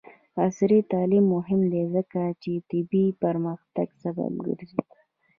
عصري تعلیم مهم دی ځکه چې د طبي پرمختګ سبب ګرځي.